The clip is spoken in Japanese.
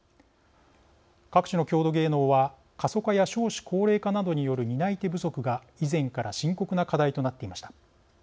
各地の郷土芸能は過疎化や少子高齢化などによる担い手不足が以前から深刻な課題となっていました。